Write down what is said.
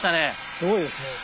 すごいですね。